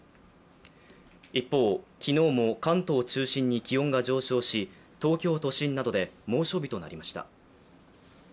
一方、昨日も関東を中心に気温が上昇し東京都心などで猛暑日となりました。